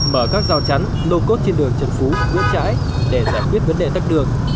mở các giao chắn lô cốt trên đường trần phú nguyễn trãi để giải quyết vấn đề tắc đường